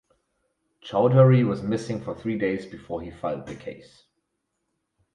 Chowdhury was missing for three days before he filed the case.